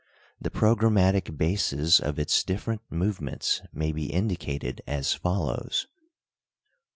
The programmatic bases of its different movements may be indicated as follows: I.